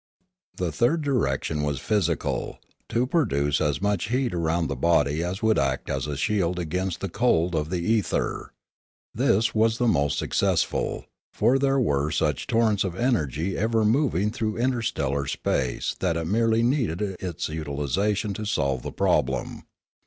The third direction was physical, — to produce as much heat around the body as would act as a shield against the cold of the ether; this was the most success ful ; for there were such torrents of energy ever moving through interstellar space that it merely needed its util isation to solve the problem.